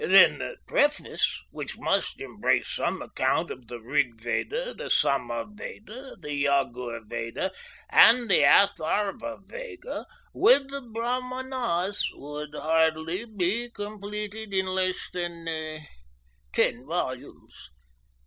Then the preface, which must embrace some account of the Rig veda, the Sama veda, the Yagur veda, and the Atharva veda, with the Brahmanas, could hardly be completed in less than ten volumes.